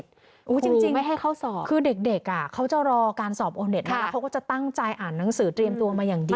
จริงไม่ให้เข้าสอบคือเด็กอ่ะเขาจะรอการสอบโอเน็ตมาแล้วเขาก็จะตั้งใจอ่านหนังสือเตรียมตัวมาอย่างดี